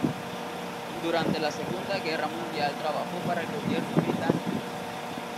Durante la Segunda Guerra Mundial trabajó para el gobierno británico.